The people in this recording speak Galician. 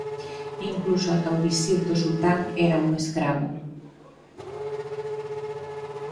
Incluso ata o visir do sultán era un escravo.